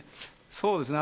そうですね